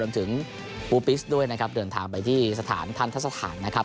ถึงปูปิสด้วยนะครับเดินทางไปที่สถานทันทะสถานนะครับ